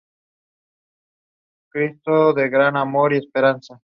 Al timbre corona real, abierta.